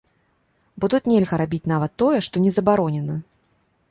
Бо тут нельга рабіць нават тое, што не забаронена.